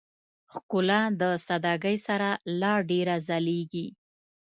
ښکلا د سادهګۍ سره لا ډېره ځلېږي.